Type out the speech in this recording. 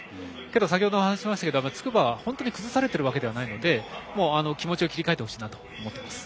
先程話しましたが筑波は崩されているわけではないので気持ちを切り替えてほしいなと思います。